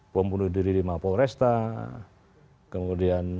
pembunuh diri di mapolresta kemudian